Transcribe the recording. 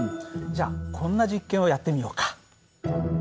じゃあこんな実験をやってみようか。